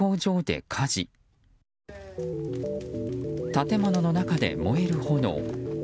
建物の中で燃える炎。